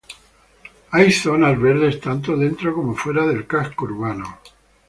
Hay zonas verdes tanto dentro como fuera del casco urbano.